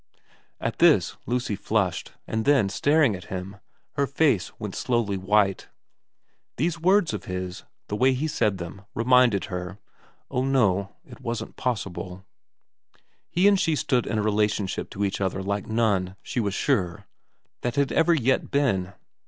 At this Lucy flushed, and then, staring at him, her face went slowly white. These words of his, the way he said them, reminded her oh no, it wasn't possible ; he and she stood in a relationship to each other like none, she was sure, that had ever yet been.